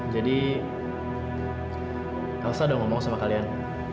jadi aku harus ada ngomong sama kalian